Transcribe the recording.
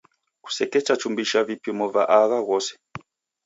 Kusekechumbisha vipimo va agha ghose.